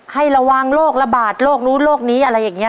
ให้ระวังโรคระบาดโรคนู้นโรคนี้อะไรอย่างนี้